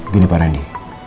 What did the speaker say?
gini pak randy